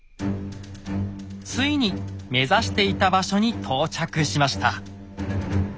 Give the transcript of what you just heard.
ついに目指していた場所に到着しました。